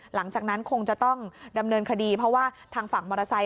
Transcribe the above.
หลังจากนั้นคงจะต้องดำเนินคดีเพราะว่าทางฝั่งมอเตอร์ไซค